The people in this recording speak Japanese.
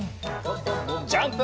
ジャンプ！